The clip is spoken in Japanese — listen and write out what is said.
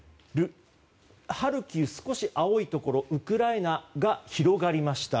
ハルキウは、青いところウクライナが広がりました。